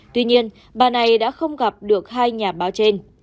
tuy nhiên bà này đã không gặp được hai nhà báo trên